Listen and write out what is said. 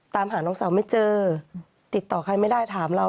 ตามหาน้องสาวไม่เจอติดต่อใครไม่ได้ถามเรา